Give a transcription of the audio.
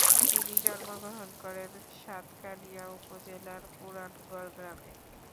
তিনি জন্মগ্রহণ করেন সাতকানিয়া উপজেলার পুরানগড় গ্রামে।